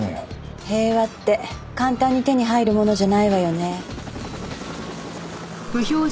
平和って簡単に手に入るものじゃないわよね。